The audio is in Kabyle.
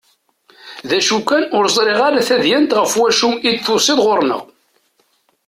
D acu kan ur ẓriɣ ara tadyant ɣef wacu i d-tusiḍ ɣur-nneɣ?